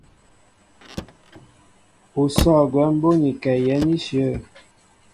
Ú sɔ̂ gwɛm bónikɛ yɛ̌n íshyə̂.